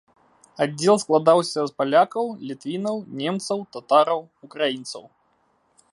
Аддзел складаўся з палякаў, літвінаў, немцаў, татараў, украінцаў.